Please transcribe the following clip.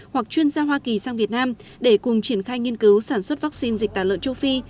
hoặc chuyên gia hoa kỳ sang việt nam để cùng triển khai nghiên cứu sản xuất vaccine dịch tả lợn châu phi